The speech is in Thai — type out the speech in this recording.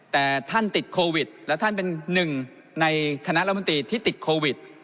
แต่ท่านติดโควิดและท่านเป็นหนึ่งในคณะรัฐมนตรีที่ติดโควิด